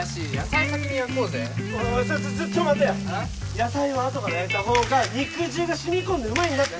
野菜はあとから焼いたほうが肉汁がしみ込んでうまいんだって！